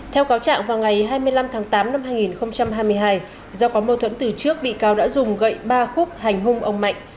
theo cáo trạng vào ngày hai mươi năm tháng tám năm hai nghìn hai mươi hai do có mâu thuẫn từ trước bị cáo đã dùng gậy ba khúc hành hung ông mạnh